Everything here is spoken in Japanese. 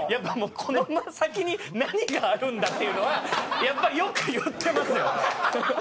この先に何があるんだ？っていうのはやっぱよく言ってますよ。